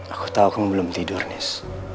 aku tahu kamu belum tidur nih